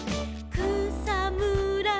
「くさむら